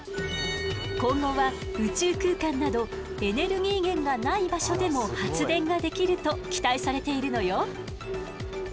今後は宇宙空間などエネルギー源がない場所でも発電ができると期待されているのよ。